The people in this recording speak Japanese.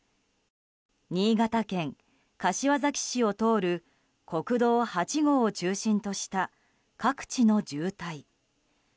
新潟県柏崎市を通る国道８号を中心とした各地の渋滞。